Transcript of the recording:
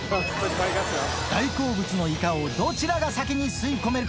大好物のイカをどちらが先に吸い込めるか。